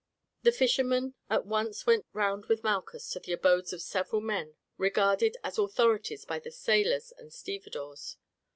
The fisherman at once went round with Malchus to the abodes of several men regarded as authorities by the sailors and stevedores.